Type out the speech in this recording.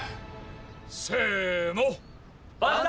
せの！